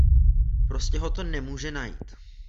Prostě ho to nemůže najít.